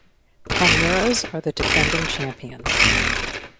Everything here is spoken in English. Palmeiras are the defending champions.